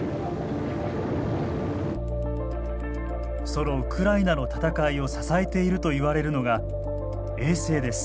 そのウクライナの戦いを支えているといわれるのが衛星です。